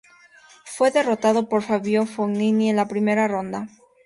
Fue derrotado por Fabio Fognini en la primera ronda.